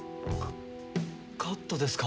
カカットですか？